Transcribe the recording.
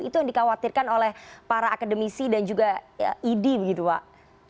itu yang dikhawatirkan oleh para akademisi dan juga idi begitu pak